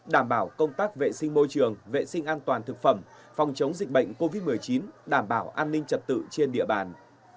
đảm bảo công tác vệ sinh môi trường vệ sinh an toàn thực phẩm phòng chống dịch bệnh covid một mươi chín đảm bảo an ninh trật tự trên địa bàn